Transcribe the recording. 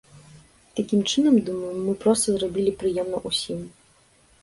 Такім чынам, думаю, мы проста зрабілі прыемна ўсім.